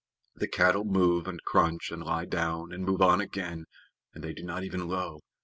The cattle move and crunch, and lie down, and move on again, and they do not even low.